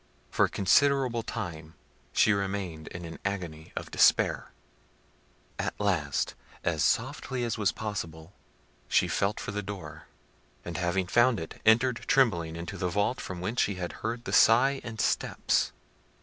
For a considerable time she remained in an agony of despair. At last, as softly as was possible, she felt for the door, and having found it, entered trembling into the vault from whence she had heard the sigh and steps.